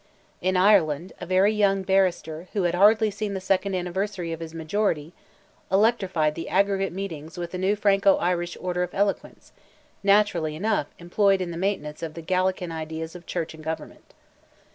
In Ireland, a very young barrister, who had hardly seen the second anniversary of his majority, electrified the aggregate meetings with a new Franco Irish order of eloquence, naturally enough employed in the maintenance of Gallican ideas of church government.